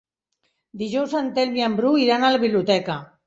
Dijous en Telm i en Bru iran a la biblioteca.